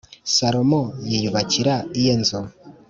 Salomo yiyubakira iye nzu